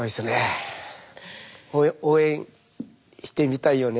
応援してみたいよね。